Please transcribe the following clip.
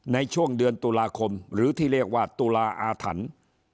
ในช่วงเดือนตุลาคมหรือที่เรียกว่าตุลาอาถรรพ์